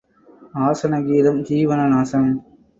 ஆசன கீதம் ஜீவன நாசம்.